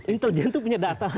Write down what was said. inteljentu punya data